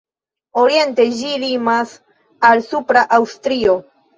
Oriente ĝi limas al Supra Aŭstrio.